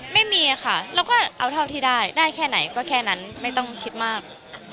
ไม่มีปัญหาแบบกันหรือไม่กันแล้วก็คนมาที่ได้แค่ไหนก็แค่นั้นไม่ต้องคิดมาก